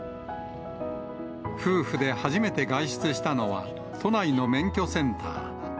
夫婦で初めて外出したのは、都内の免許センター。